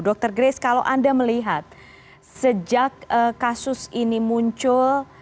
dr grace kalau anda melihat sejak kasus ini muncul